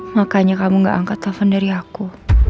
makanya kamu gak angkat telepon dari aku